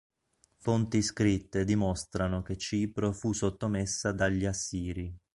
Fonti scritte dimostrano che Cipro fu sottomessa dagli Assiri.